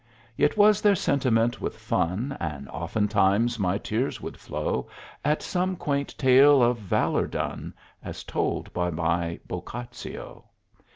Yet was there sentiment with fun, And oftentimes my tears would flow At some quaint tale of valor done, As told by my Boccaccio.